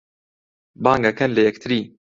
بانگ ئەکەن لە یەکتری